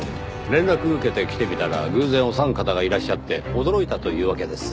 連絡受けて来てみたら偶然お三方がいらっしゃって驚いたというわけです。